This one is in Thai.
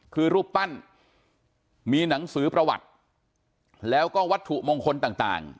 คือรูปปั้นมีหนังสือประวัติแล้วก็วัตถุมงคลต่าง